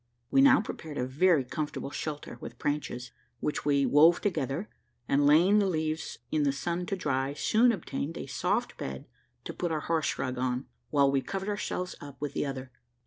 We now prepared a very comfortable shelter with branches, which we wove together, and laying the leaves in the sun to dry, soon obtained a soft bed to put our horse rug on, while we covered ourselves up with the other.